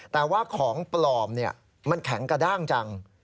แต่ว่าของปลอมมันแข็งกระด้างจัง